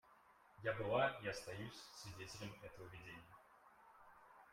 Я была и остаюсь свидетелем этого видения.